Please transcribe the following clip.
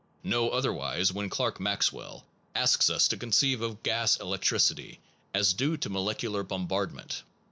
No otherwise when Clerk Maxwell asks us to conceive of gas elec tricity as due to molecular bombardment.